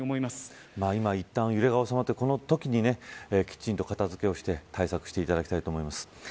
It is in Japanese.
今、いったん揺れが収まってこのときにきちんと片付けをして対策していただきたいと思います。